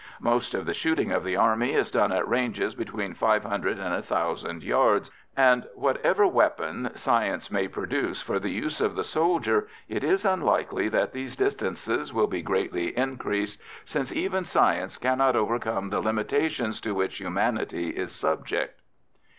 Most of the shooting of the Army is done at ranges between 500 and 1000 yards, and, whatever weapon science may produce for the use of the soldier, it is unlikely that these distances will be greatly increased, since even science cannot overcome the limitations to which humanity is subject.